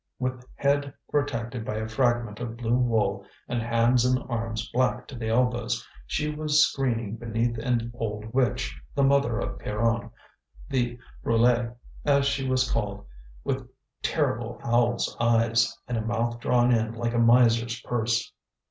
With head protected by a fragment of blue wool, and hands and arms black to the elbows, she was screening beneath an old witch, the mother of Pierronne, the Brulé, as she was called, with terrible owl's eyes, and a mouth drawn in like a miser's purse.